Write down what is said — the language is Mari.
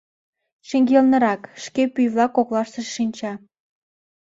Шеҥгелнырак, шке пӱй-влак коклаштышт шинча.